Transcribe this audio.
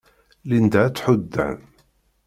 Linda ad tḥudd Dan.